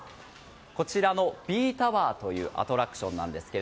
こちらのＢｅｅタワーというアトラクションですが。